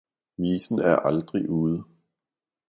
Visen er aldrig ude!